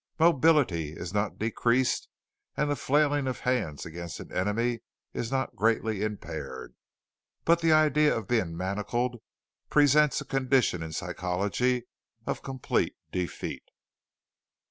Mobility is not decreased, and the flailing of hands against an enemy is not greatly impaired. But the idea of being manacled presents a condition in psychology of complete defeat.